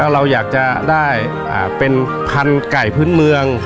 เราอยากจะได้เป็นพันธุ์ไก่พื้นเมือง